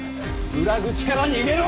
裏口から逃げろ！